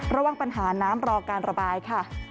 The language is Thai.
ระวังปัญหาน้ำรอการระบายค่ะ